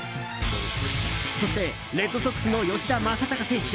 そしてレッドソックスの吉田正尚選手。